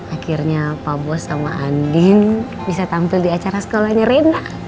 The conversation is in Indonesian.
akhirnya pa bos sama andien bisa tampil di acara sekolahnya reina